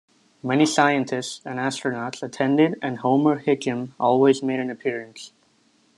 Many scientists and astronauts attended and Homer Hickam always made an appearance.